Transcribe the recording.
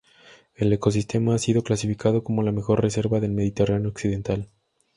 El ecosistema ha sido clasificado como la mejor reserva del Mediterráneo Occidental.